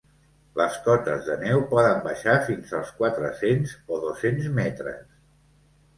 Les cotes de neu poden baixar fins als quatre-cents o dos-cents metres.